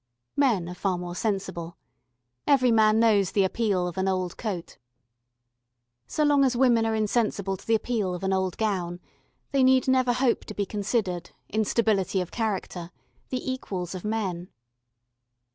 Men are far more sensible. Every man knows the appeal of an old coat. So long as women are insensible to the appeal of an old gown, they need never hope to be considered, in stability of character, the equals of men.